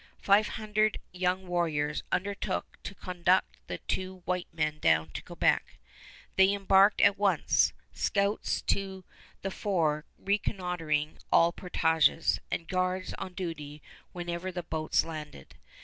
Five hundred young warriors undertook to conduct the two white men down to Quebec. They embarked at once, scouts to the fore reconnoitering all portages, and guards on duty wherever the boats landed.